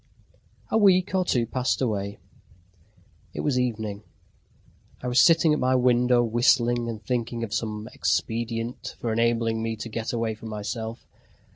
A week or two passed away. It was evening. I was sitting at my window whistling and thinking of some expedient for enabling me to get away from myself.